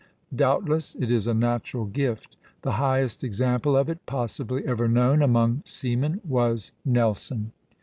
Doubtless it is a natural gift. The highest example of it possibly ever known among seamen was Nelson.